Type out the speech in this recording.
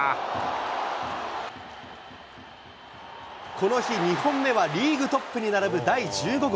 この日、２本目はリーグトップに並ぶ第１５号。